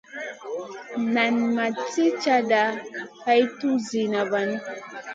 Nan ma sli cata a tun ziyna vanu.